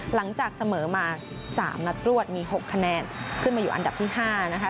หลังจากเสมอมา๓นัดรวดมี๖คะแนนขึ้นมาอยู่อันดับที่๕นะคะ